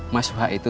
mas suha itu